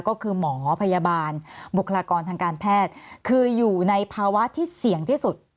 ก็คือหมอพยาบาลบุคลากรทางการแพทย์คืออยู่ในภาวะที่เสี่ยงที่สุด